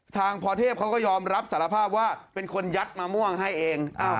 พรเทพเขาก็ยอมรับสารภาพว่าเป็นคนยัดมะม่วงให้เอง